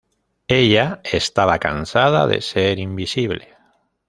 Ella estaba cansada de ser invisible.